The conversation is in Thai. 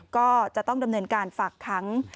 ก็จะต้องดำเนินการฝากขัง